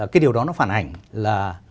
cái điều đó nó phản ảnh là